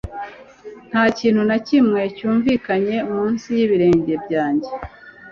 Nta kintu na kimwe cyumvikanye munsi yibirenge byanjye